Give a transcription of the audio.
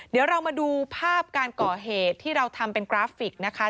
เดี๋ยวเรามาดูภาพการก่อเหตุที่เราทำเป็นกราฟิกนะคะ